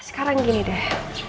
sekarang gini deh